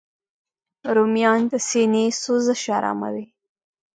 رومیان د سینې سوزش آراموي